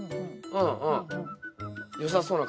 うんうん。